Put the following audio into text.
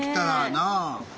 なあ。